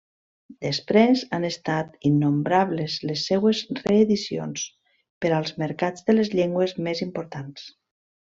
Després, han estat innombrables les seues reedicions per als mercats de les llengües més importants.